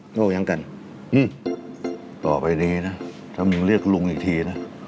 โยกยังกันต่อไปนี้นะถ้ามึงเรียกลุงอีกทีนะ